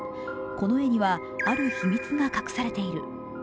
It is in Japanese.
この絵にはある秘密が隠されている。